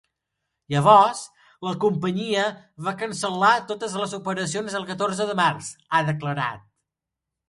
Llavors, la companyia va cancel·lar totes les operacions el catorze de març, ha declarat.